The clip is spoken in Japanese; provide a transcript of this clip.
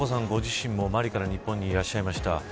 ご自身もマリから日本にいらっしゃいました。